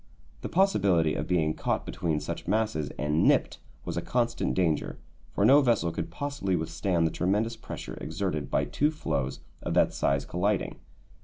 The possibility of being caught between such masses and "nipped" was a constant danger, for no vessel could possibly withstand the tremendous pressure exerted by two floes of that size colliding.